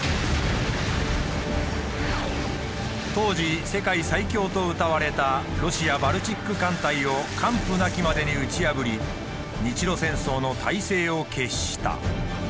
当時世界最強と謳われたロシアバルチック艦隊を完膚なきまでに打ち破り日露戦争の大勢を決した。